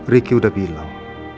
ricky udah bilang